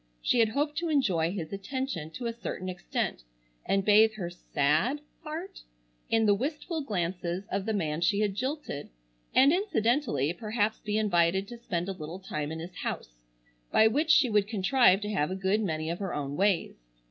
She had hoped to enjoy his attention to a certain extent and bathe her sad (?) heart in the wistful glances of the man she had jilted; and incidentally perhaps be invited to spend a little time in his house, by which she would contrive to have a good many of her own ways.